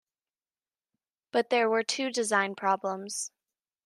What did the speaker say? But there were two design problems.